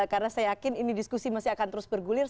karena saya yakin ini diskusi masih akan terus bergulir